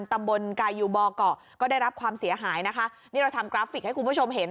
ตำบลกายูบอเกาะก็ได้รับความเสียหายนะคะนี่เราทำกราฟิกให้คุณผู้ชมเห็น